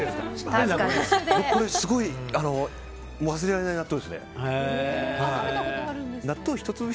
これ、すごい忘れられない納豆ですね。